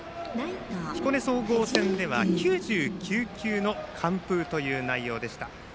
彦根総合戦では９９球の完封という内容でした。